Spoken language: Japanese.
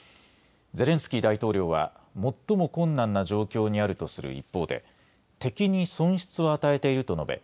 ゼレンスキー大統領は最も困難な状況にあるとする一方で敵に損失を与えていると述べ